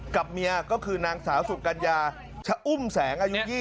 กับเมียก็คือนางสาวสุกัญญาชะอุ้มแสงอายุ๒๐